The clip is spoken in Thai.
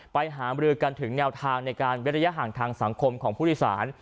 ไปหามรือกันถึงแนวทางในการเว้นระยะห่างทางสังคมของผู้โดยสาร